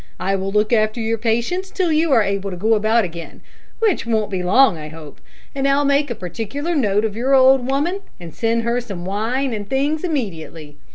I will look after your patients till you are able to go about again which won't be long, I hope and I'll make a particular note of your old woman, and send her some wine and things immediately.'